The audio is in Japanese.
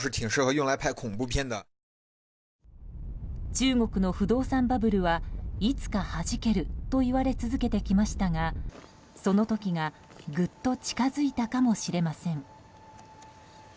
中国の不動産バブルはいつかはじけるといわれ続けてきましたがその時がぐっと近づいたかもしれません。